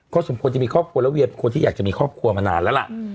สมควรจะมีครอบครัวแล้วเวียเป็นคนที่อยากจะมีครอบครัวมานานแล้วล่ะ